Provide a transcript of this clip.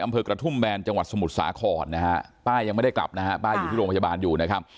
อำเภอกระทุ่มแบนจังหวัดสมุทรสาครนะฮะป้ายังไม่ได้กลับนะฮะป้าอยู่ที่โรงพยาบาลอยู่นะครับ